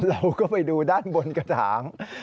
เราก็ไปดูด้านบนกระถาง